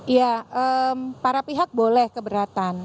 ya para pihak boleh keberatan